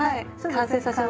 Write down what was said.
完成させます。